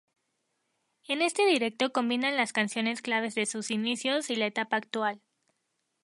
En este directo combinan las canciones clave de sus inicios y la etapa actual.